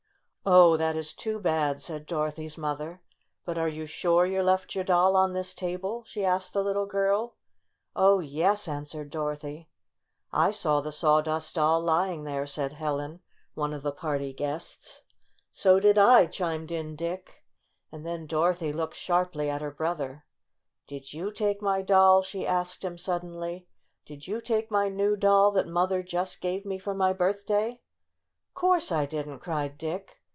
"Oh, that is too bad!" said Dorothy's mother. "But are you sure you left your doll on this table?" she asked the little girl. "Oh, yes," answered Dorothy. "I saw the Sawdust Doll lying there," said Helen, one of the party guests. IN THE DOG HOUSE 69 "So did I," chimed in Dick. And then Dorothy looked sharply at her brother. "Did you take my doll?" she asked him suddenly. *' Did you take my new doll that mother just gave me for my birthday?" "Course I didn't!" cried Dick.